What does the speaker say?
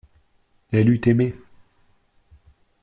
Elle eut aimé.